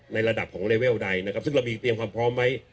ในระดับของเลเวลใดนะครับซึ่งเรามีเตรียมความพร้อมไหม